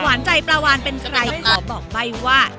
หวานใจปลาวานเป็นใครขอบอกใบว่า